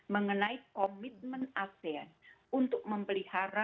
mengenai komitmen asean untuk memelihara